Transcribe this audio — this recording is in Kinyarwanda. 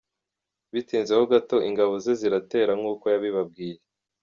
Bitinze ho gato ingabo ze ziratera nk ‘ukö yabibabwiye.